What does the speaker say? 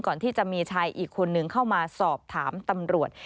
ก่อนที่จะมีชายอีกคนนึงเข้ามาสอบถามตำรวจ